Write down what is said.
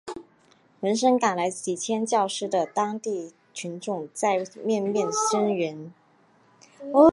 闻声赶来的几千教师的当地群众在面面声援。